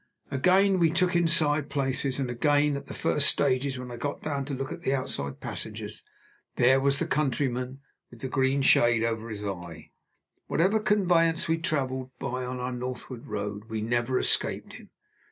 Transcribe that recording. Again we took inside places, and again, at the first stages when I got down to look at the outside passengers, there was the countryman with the green shade over his eye. Whatever conveyance we traveled by on our northward road, we never escaped him.